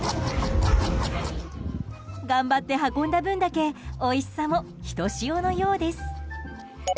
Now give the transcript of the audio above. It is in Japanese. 頑張って運んだ分だけおいしさもひとしおのようです。